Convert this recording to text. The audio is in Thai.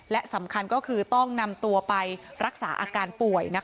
และสำคัญก็คือต้องนำตัวไปรักษาอาการป่วย